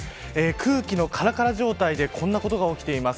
空気のからから状態でこんなことが起きています。